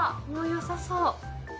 もうよさそう。